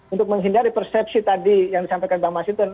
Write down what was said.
untuk menghindari persepsi tadi yang disampaikan bang mas hinton